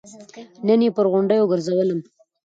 نه يې پر غونډيو ګرځولم.